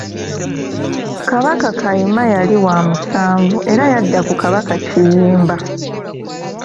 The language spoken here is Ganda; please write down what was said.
Kabaka Kayima yali wa musanvu era yadda ku kabaka Kiyimba.